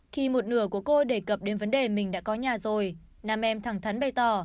khi một nửa của cô đề cập đến vấn đề mình đã có nhà rồi nam em thẳng thắn bày tỏ